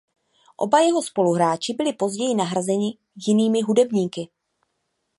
Oba jeho spoluhráči byli později nahrazeni jinými hudebníky.